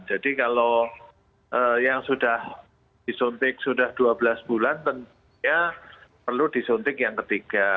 jadi kalau yang sudah disuntik sudah dua belas bulan tentunya perlu disuntik yang ketiga